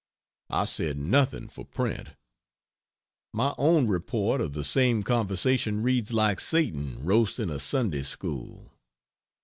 I said nothing for print. My own report of the same conversation reads like Satan roasting a Sunday school.